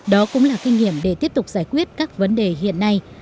đó cũng là kinh nghiệm để tiếp tục giải quyết các vấn đề hiện nay